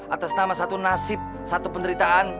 atas nama satu nasib satu penderitaan